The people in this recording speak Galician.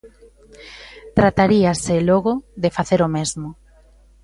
Trataríase, logo, de facer o mesmo.